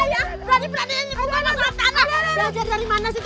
jangan diberi berat bahaya ini mirip